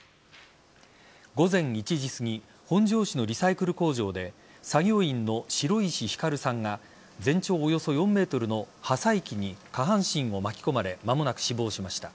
午前１時すぎ本庄市のリサイクル工場で作業員の白石光さんが全長およそ４ｍの破砕機に下半身を巻き込まれ間もなく死亡しました。